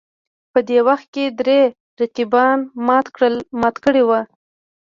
په دې وخت کې درې رقیبان مات کړي وو